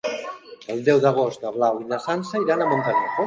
El deu d'agost na Blau i na Sança iran a Montanejos.